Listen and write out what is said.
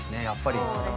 やっぱり。